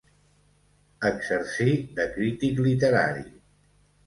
Exercí de crític literari.